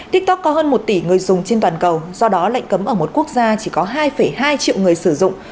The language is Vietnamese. tiktok có hơn một tỷ người dùng trên toàn cầu do đó lệnh cấm ở một quốc gia chỉ có hai hai triệu người sử dụng